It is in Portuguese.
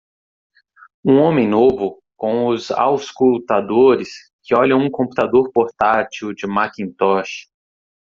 Um homem novo com os auscultadores que olham um computador portátil de Macintosh.